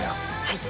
はい！